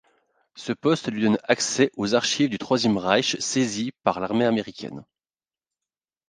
Ce poste lui donne accès aux archives du Troisième Reich saisies par l'armée américaine.